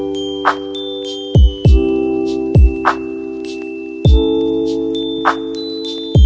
hanyang mathil johnson janganku di peaceful